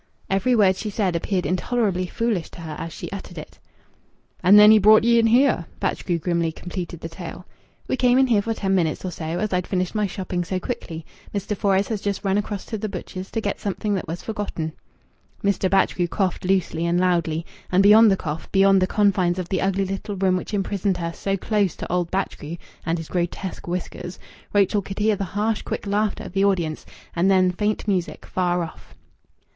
Every word she said appeared intolerably foolish to her as she uttered it. "And then he brought ye in here!" Batchgrew grimly completed the tale. "We came in here for ten minutes or so, as I'd finished my shopping so quickly. Mr. Fores has just run across to the butcher's to get something that was forgotten." Mr. Batchgrew coughed loosely and loudly. And beyond the cough, beyond the confines of the ugly little room which imprisoned her so close to old Batchgrew and his grotesque whiskers, Rachel could hear the harsh, quick laughter of the audience, and then faint music far off.